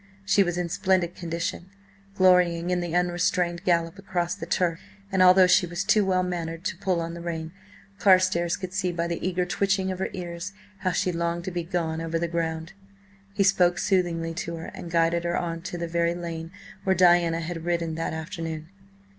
She was in splendid condition, glorying in the unrestrained gallop across the turf, and although she was too well mannered to pull on the rein, Carstares could see by the eager twitching of her ears how she longed to be gone over the ground. He spoke soothingly to her and guided her on to the very lane where Diana had ridden that afternoon.